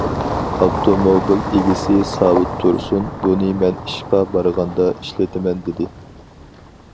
ئاپتوموبىل ئىگىسى ساۋۇت تۇرسۇن: بۇنى مەن ئىشقا بارغاندا ئىشلىتىمەن، دېدى.